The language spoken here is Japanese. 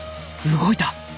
動いた！